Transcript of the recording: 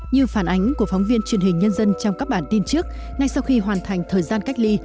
như phản ánh của phóng viên truyền hình nhân dân trong các bản tin trước ngay sau khi hoàn thành thời gian cách ly